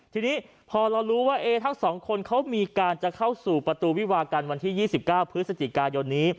ทีนี้พอเรารู้ว่าทั้งสองคนเขามีการจะเข้าสู่ประตูวิวากันวันที่๒๙พฤศจิกายนนี้